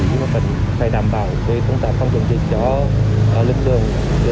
nhưng vẫn phải đảm bảo về công tác phòng chống dịch cho lực lượng